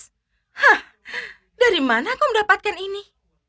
hah dari mana kau mendapatkan ini